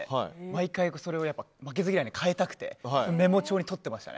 毎回、負けず嫌いで変えたくてメモ帳に書いていました。